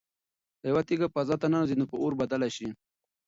که یوه تیږه فضا ته ننوځي نو په اور بدله شي.